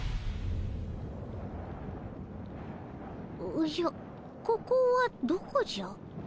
おおじゃここはどこじゃ？